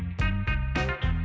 nhiệt độ cao nhất